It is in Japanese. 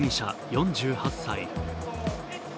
４８歳。